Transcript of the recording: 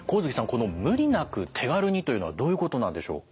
この「無理なく手軽に」というのはどういうことなんでしょう？